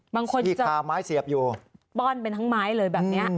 บางคนจะป้อนเป็นทั้งไม้เลยแบบนี้